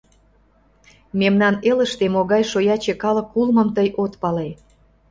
— Мемнан элыште могай шояче калык улмым тый от пале.